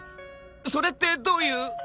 それってどういう。